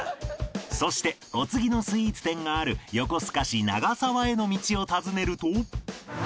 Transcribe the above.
そしてお次のスイーツ店がある横須賀市長沢への道を尋ねると